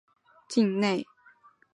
大型水库老营盘水库位于境内。